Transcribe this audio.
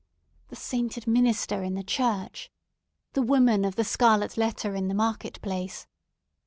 The sainted minister in the church! The woman of the scarlet letter in the market place!